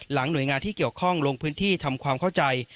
หน่วยงานที่เกี่ยวข้องลงพื้นที่ทำความเข้าใจ